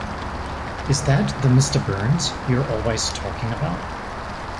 Is that the Mr. Burns you're always talking about?